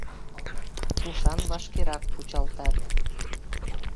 — Тушан вашкерак кучалтат.